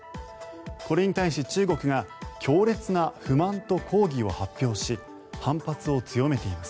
これに対し、中国が強烈な不満と抗議を発表し反発を強めています。